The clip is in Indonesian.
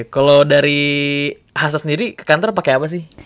kalau dari khasnya sendiri ke kantor pake apa sih